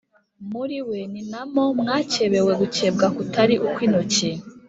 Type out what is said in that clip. Muri we ni na mo mwakebewe gukebwa kutari ukw’intoki